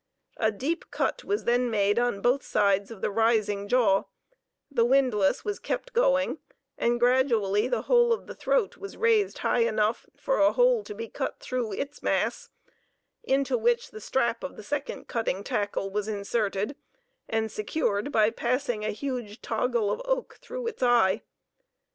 A deep cut was then made on both sides of the rising jaw, the windlass was kept going, and gradually the whole of the throat was raised high enough for a hole to be cut through its mass, into which the strap of the second cutting tackle was inserted, and secured by passing a huge toggle of oak through its eye.